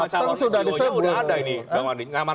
nama calon ceo nya sudah ada ini bang wandi